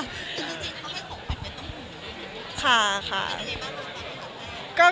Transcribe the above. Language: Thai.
ดูจริงเขาให้ผมไปไข่ต้ม